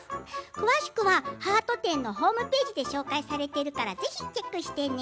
詳しくはハート展のホームページで紹介されているからぜひ見てね。